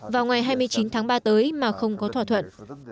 vào ngày hai mươi chín tháng ba tới mà không có thỏa thuận